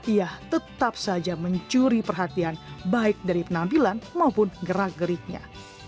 ia tetap saja mencuri perhatian baik dari penampilan maupun gerak geriknya